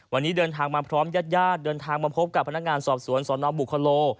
วันนี้เดินทางมาพร้อมญาติญาติเดินทางมาพบกับพนักงานสอบสวนสนบุคโล